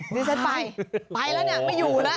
นี่ฉันไปไปแล้วเนี่ยไม่อยู่แล้ว